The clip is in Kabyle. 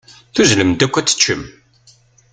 Tuzzlem-d akk ad teččem.